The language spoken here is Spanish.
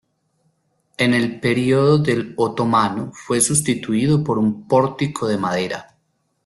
En el período del otomano fue substituido por un pórtico de madera.